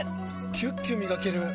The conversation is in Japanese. キュッキュ磨ける！